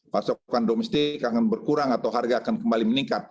pasokan domestik akan berkurang atau harga akan kembali meningkat